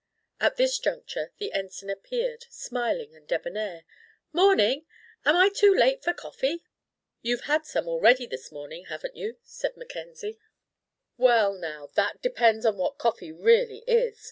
At this juncture the Ensign appeared, smiling and debonair. "Morning! Am I too late for coffee?" "You've had some already this morning, haven't you?" asked Mackenzie. "Well, now, that depends on what coffee really is.